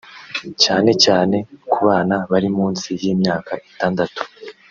cyane cyane ku bana bari munsi y’imyaka itandatu